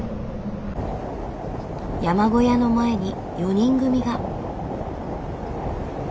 山小屋の前に４人組が。